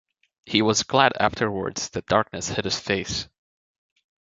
He was glad afterwards that darkness hid his face.